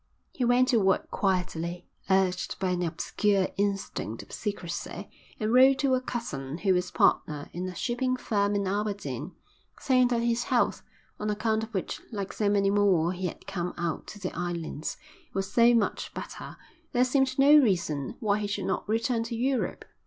He went to work quietly, urged by an obscure instinct of secrecy, and wrote to a cousin who was partner in a shipping firm in Aberdeen, saying that his health (on account of which like so many more he had come out to the islands) was so much better, there seemed no reason why he should not return to Europe.